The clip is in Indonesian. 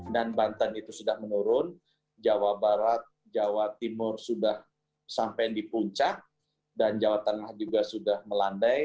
dan jawa tengah juga sudah melandai